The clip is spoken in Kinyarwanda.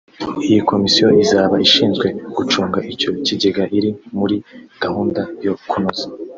Iyi komisiyo izaba ishinzwe gucunga icyo kigega iri muri gahunda yo kunoza